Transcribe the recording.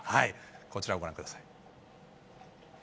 こちら、ご覧ください。